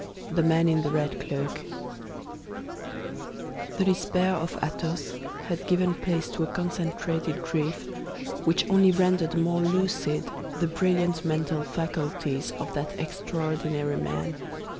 THE MAN IN THE RED CLOAK The despair of Athos had given place to a concentrated grief which only rendered more lucid the brilliant mental faculties of that extraordinary man.